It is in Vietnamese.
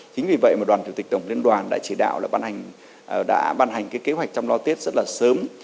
chính vì vậy mà đoàn thủ tịch tổng liên đoàn đã chỉ đạo đã ban hành kế hoạch trong lo tiết rất là sớm